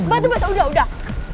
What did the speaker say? batu bata udah udah